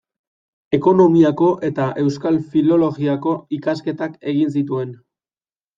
Ekonomiako eta euskal filologiako ikasketak egin zituen.